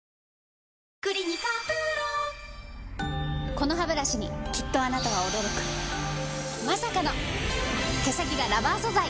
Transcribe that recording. このハブラシにきっとあなたは驚くまさかの毛先がラバー素材！